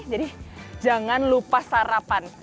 jadi jangan lupa sarapan